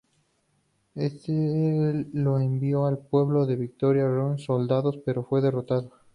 Éste lo envió al pueblo de Victoria a reunir soldados, pero fue derrotado.